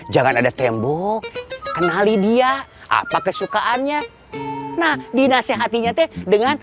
jangan ada tembok kenali dia apa kesukaannya nah dinasehatinya teh dengan